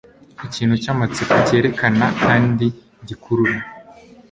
Ikintu cyamatsiko cyerekana kandi gikurura